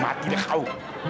mati deh kau